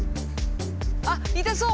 あっ痛そう！